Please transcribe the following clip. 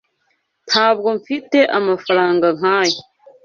Ntabwo mfite amafaranga nkaya.